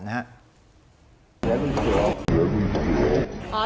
ลุงเศรือ